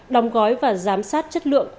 đóng gói và giám sát chất lượng